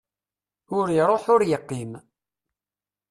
Ur iruḥ ur yeqqim.